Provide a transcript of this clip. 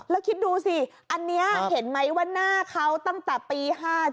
แล้วคิดดูสิอันนี้เห็นไหมว่าหน้าเขาตั้งแต่ปี๕๗